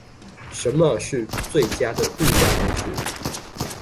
什麼是最佳的渡假方式